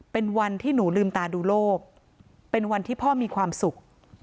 เป็นวันที่หนูลืมตาดูโลกเป็นวันที่พ่อมีความสุข